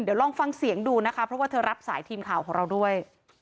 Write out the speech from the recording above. เดี๋ยวลองฟังเสียงดูนะคะเพราะว่าเธอรับสายทีมข่าวของเราด้วย